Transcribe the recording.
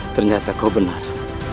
ternyata kau benar